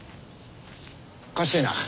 おかしいな。